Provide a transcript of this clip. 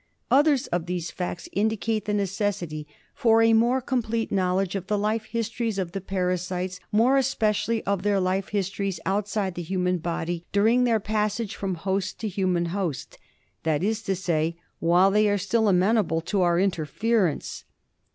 Others of these facts indicate the necessity for a more complete knowledge of the life histories of the parasites, more especially of their life histories outside the human body during their passage from human host to human host — that is to say, while they are still amenable to our interference.